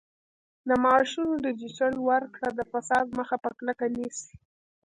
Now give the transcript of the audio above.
د معاشونو ډیجیټل ورکړه د فساد مخه په کلکه نیسي.